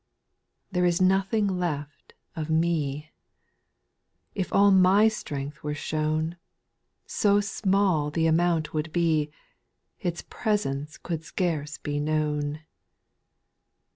} 4. / There is nothing left of me^ — If all my strength were shown. So small the amount would be, Its presence could scarce be known.